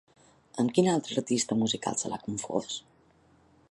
Amb quin altre artista musical se l'ha confós?